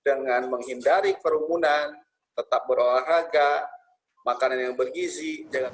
dengan menghindari kerumunan tetap berolahraga makanan yang bergizi